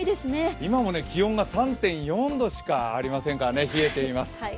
今も気温が３．４度しかありませんから、冷えてます。